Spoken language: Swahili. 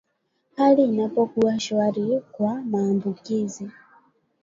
hali inapokuwa shwari kwa maambukizi